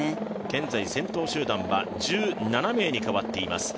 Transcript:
現在、先頭集団は１７名に変わっています。